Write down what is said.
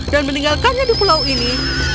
dan meninggalkannya di pulau ini